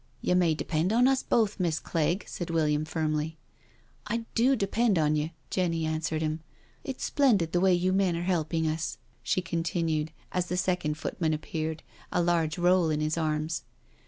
" You may depend on us both, Miss Clegg/* said William firmly. " I do depend on you," Jenny assured him*. " It's splendid the way you men are helping us," she con tinued, as the second footman appeared, a large roll in his arms.